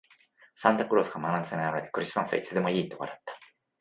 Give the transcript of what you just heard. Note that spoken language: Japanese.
サンタクロースが真夏に現れて、「クリスマスはいつでもいい」と笑った。